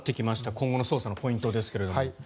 今後の捜査のポイントですけども。